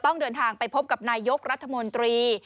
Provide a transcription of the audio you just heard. นายกรัฐมนตรี